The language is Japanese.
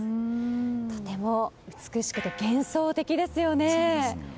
とても美しくて幻想的ですよね。